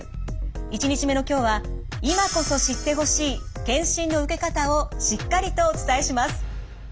１日目の今日は今こそ知ってほしい検診の受け方をしっかりとお伝えします。